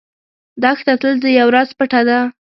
دښته تل د یو راز پټه ده.